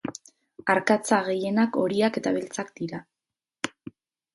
Arkatza gehienak horiak eta beltzak dira